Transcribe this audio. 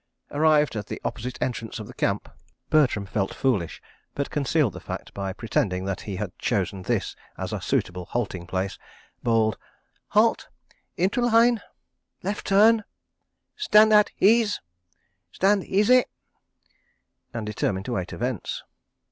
Arrived at the opposite entrance of the Camp, Bertram felt foolish, but concealed the fact by pretending that he had chosen this as a suitable halting place, bawled: "Halt," "Into line—left turn," "Stand at ease," "Stand easy," and determined to wait events.